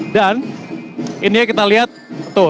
dan ini kita lihat tuh